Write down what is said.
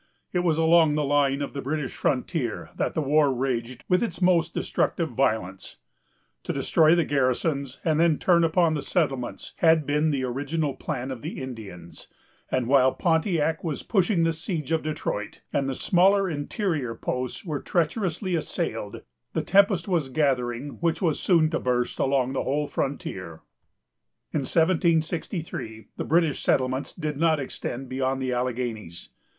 It was along the line of the British frontier that the war raged with its most destructive violence. To destroy the garrisons, and then turn upon the settlements, had been the original plan of the Indians; and while Pontiac was pushing the siege of Detroit, and the smaller interior posts were treacherously assailed, the tempest was gathering which was soon to burst along the whole frontier. In 1763, the British settlements did not extend beyond the Alleghanies.